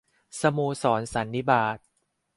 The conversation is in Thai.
สโมสรสันนิบาต